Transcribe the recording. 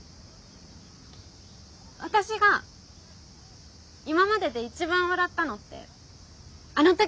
私が今までで一番笑ったのってあの時だったから。